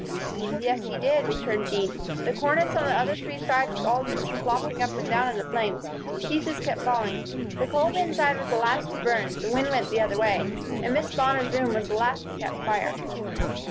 "Yes, he did," returned Jean. "The cornice on the other three sides was all loose and flopping up and down in the flames. Pieces kept falling. The coal bin side was the last to burn the wind went the other way and Miss Bonner's room was the last to catch fire."